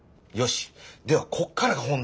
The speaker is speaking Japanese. ではこっからが本題だ。